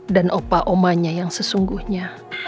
dan opa omanya yang sesungguhnya